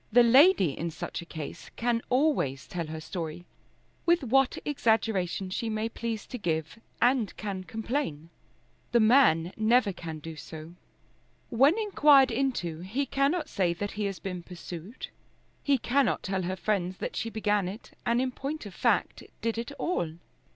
The lady in such a case can always tell her story, with what exaggeration she may please to give, and can complain. The man never can do so. When inquired into, he cannot say that he has been pursued. He cannot tell her friends that she began it, and in point of fact did it all.